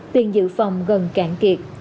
tiền dự phòng gần cạn kiệt